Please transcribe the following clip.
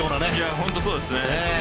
本当にそうですね。